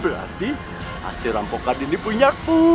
berarti hasil rampokan ini punyaku